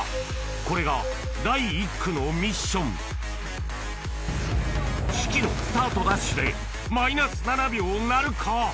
これが第１区のミッション志貴のスタートダッシュでマイナス７秒なるか？